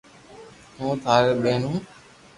ھون ٽاري ٻين ھون